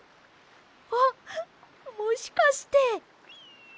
あっもしかして！